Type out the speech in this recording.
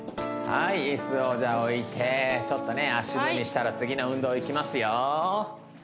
はい椅子をじゃあ置いてちょっとね足踏みしたら次の運動いきますよ